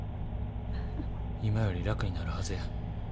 今より楽になるはずや。